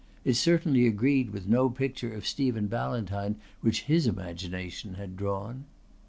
It certainly agreed with no picture of Stephen Ballantyne which his imagination had drawn.